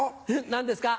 何ですか？